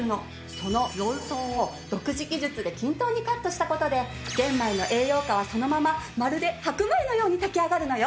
そのロウ層を独自技術で均等にカットした事で玄米の栄養価はそのまままるで白米のように炊き上がるのよ！